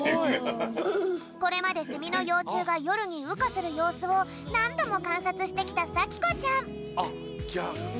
これまでセミのようちゅうがよるにうかするようすをなんどもかんさつしてきたさきこちゃん。